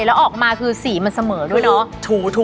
แล้วออกมาคือสีมันเสมอด้วยเนอะ